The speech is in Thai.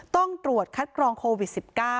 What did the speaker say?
ต้องตรวจคัดกรองโควิด๑๙